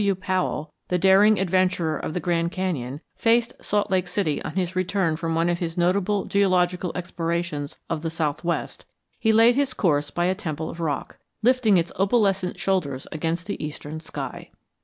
W. Powell, the daring adventurer of the Grand Canyon, faced Salt Lake City on his return from one of his notable geological explorations of the southwest, he laid his course by a temple of rock "lifting its opalescent shoulders against the eastern sky."